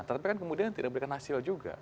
tapi kan kemudian tidak memberikan hasil juga